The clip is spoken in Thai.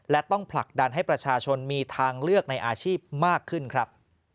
และต้องผลักดันให้ประชาชนมีทางเลือกในอาชีพมากขึ้นครับ